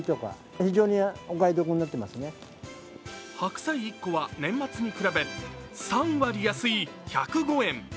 白菜１個は年末に比べ３割安い１０５円。